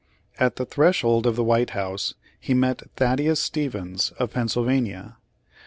At the threshold of the White House he met Thaddeus Stevens, of Pennsylvania.